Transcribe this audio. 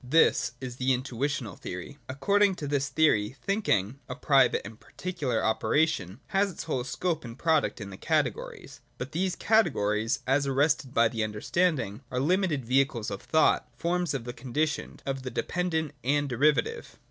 This is the Intuitional theory. 62.] According to this theory, thinking, a private and particular operation, has its whole scope and product in the Categories. But, these Categories, as arrested by the understanding, are limited vehicles of thought, forms of the conditioned, of the dependent and derivative.